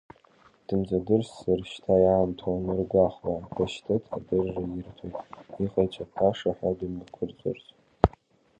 Дымҵадырсзар, шьҭа иаамҭоуп аныргәахәуа, Рашьтыҭ адырра ирҭоит, иҟаиҵақәаша ҳәа дымҩақәырҵарц.